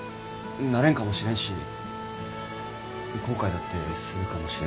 なれんかもしれんし後悔だってするかもしれんのに。